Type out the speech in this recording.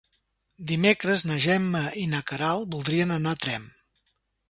Dimecres na Gemma i na Queralt voldrien anar a Tremp.